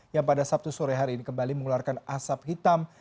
yang pada sabtu sore hari ini kembali mengeluarkan asap hitam